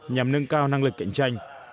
nhằm nâng cao năng lực cạnh tranh